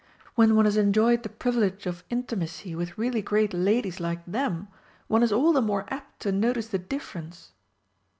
When one has enjoyed the privilege of intimacy with really great ladies like them, one is all the more apt to notice the difference....